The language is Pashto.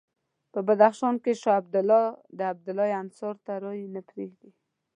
په بدخشان کې شاه عبدالله د عبدالله انحصار ته رایې نه پرېږدي.